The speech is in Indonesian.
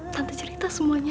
tante cerita semuanya